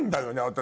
私。